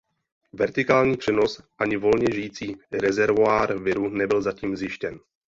Vertikální přenos ani volně žijící rezervoár viru nebyl zatím zjištěn.